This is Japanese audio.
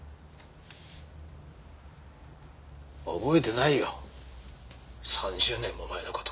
覚えてないよ３０年も前の事。